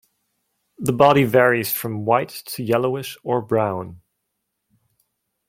The body varies from white to yellowish or brown.